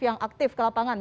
yang aktif ke lapangan